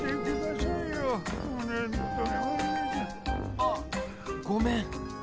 あっごめん。